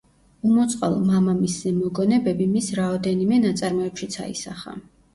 უმოწყალო მამამისზე მოგონებები მის რაოდენიმე ნაწარმოებშიც აისახა.